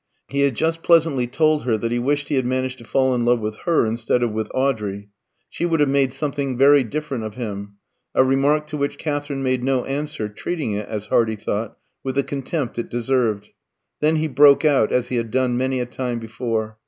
He had just pleasantly told her that he wished he had managed to fall in love with her instead of with Audrey; she would have made something very different of him a remark to which Katherine made no answer, treating it, as Hardy thought, with the contempt it deserved. Then he broke out, as he had done many a time before.